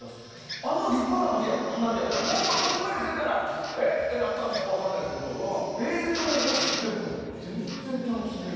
あの立派な花火やからもっとこじんまりとしてたらえっ？ってなったかも分からないですけど映像越しでも全然楽しめる。